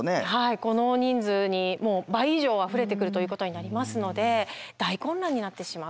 この人数に倍以上あふれてくるということになりますので大混乱になってしまう。